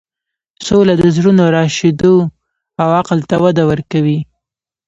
سوله د زړونو راشدو او عقل ته وده ورکوي.